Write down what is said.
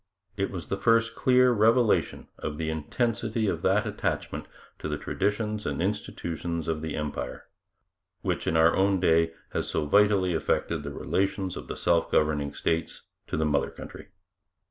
It was the first clear revelation of the intensity of that attachment to the traditions and institutions of the Empire which in our own day has so vitally affected the relations of the self governing states to the mother country.